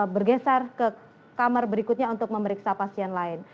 bergeser ke kamar berikutnya untuk memeriksa pasien lain